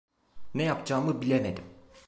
Ne yapacağımı bilemedim.